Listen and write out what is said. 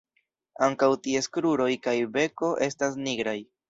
Ankaŭ ties kruroj kaj beko estas nigraj.